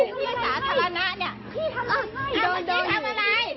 พี่มีปราศรรนะอ่ะ